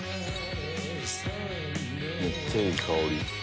めっちゃいい香り。